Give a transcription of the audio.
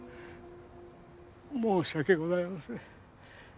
申し訳ございません。